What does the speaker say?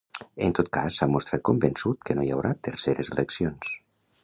En tot cas s’ha mostrat convençut que no hi haurà terceres eleccions.